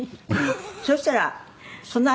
「そしたらその間に」